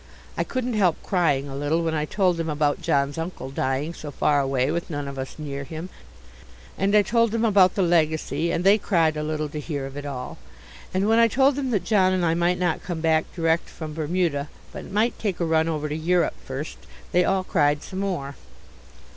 I couldn't help crying a little when I told them about John's uncle dying so far away with none of us near him, and I told them about the legacy, and they cried a little to hear of it all; and when I told them that John and I might not come back direct from Bermuda, but might take a run over to Europe first, they all cried some more.